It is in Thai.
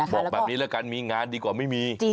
บอกแบบนี้แล้วกันมีงานดีกว่าไม่มี